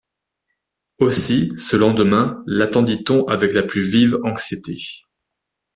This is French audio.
Aussi, ce lendemain, l’attendit-on avec la plus vive anxiété.